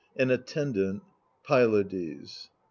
An Attendant. Pylades.